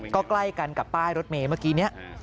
ก็ใกล้กันกับป้ายรถเมย์เมื่อกี้นี้